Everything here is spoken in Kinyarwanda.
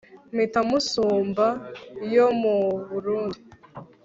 Mpita Musumba yo mu Burundi